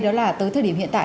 đó là tới thời điểm hiện tại